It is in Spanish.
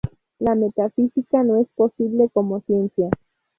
La metafísica no es posible como ciencia.